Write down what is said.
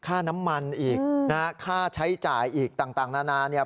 ค่าน้ำมันอีกค่าใช้จ่ายอีกต่างนานา